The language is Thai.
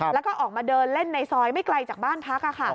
แล้วก็ออกมาเดินเล่นในซอยไม่ไกลจากบ้านพัก